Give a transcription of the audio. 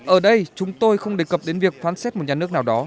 ở đây chúng tôi không đề cập đến việc phán xét một nhà nước nào đó